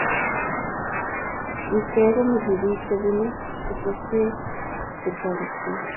Wisek komutuu biik che bunuu kotosweek che terotin.